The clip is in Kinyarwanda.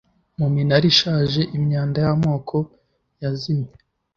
mu minara ishaje, imyanda y'amoko yazimye